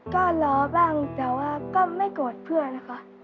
ก็ล้อบ้างแต่ว่าก็ไม่โกรธเพื่อนนะคะ